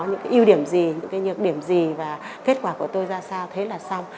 những cái ưu điểm gì những cái nhược điểm gì và kết quả của tôi ra sao thế là xong